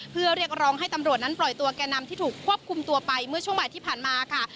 เพื่อเรียกร้องให้ตำรวจนั้นปล่อยตัวแก่นำที่ถูกควบคุมตัวไปเมื่อช่วงบ่ายที่ผ่านมาค่ะ